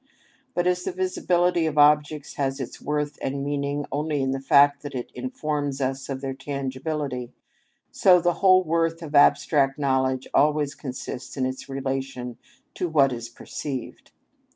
But as the visibility of objects has its worth and meaning only in the fact that it informs us of their tangibility, so the whole worth of abstract knowledge always consists in its relation to what is perceived.